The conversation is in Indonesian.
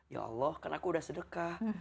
ya allah kan aku udah sedekah